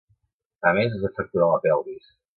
A més, es va fracturar la pelvis.